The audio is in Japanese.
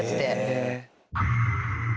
え。